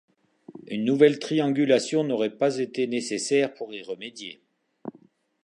Une nouvelle triangulation n’aurait pas été nécessaire pour y remédier.